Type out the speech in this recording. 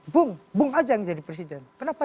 bung bung aja yang jadi presiden kenapa